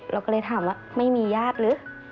เราก็เลยถามว่าไม่มีญาติหรือ